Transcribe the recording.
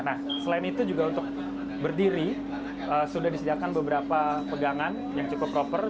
nah selain itu juga untuk berdiri sudah disediakan beberapa pegangan yang cukup proper